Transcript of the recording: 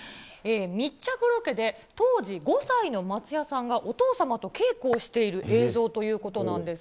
密着ロケで、当時５歳の松也さんがお父様と稽古をしている映像ということなんです。